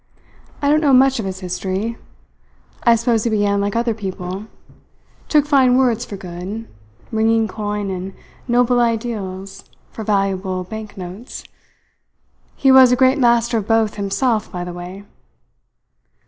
I don't know much of his history. I suppose he began like other people; took fine words for good, ringing coin and noble ideals for valuable banknotes. He was a great master of both, himself, by the way.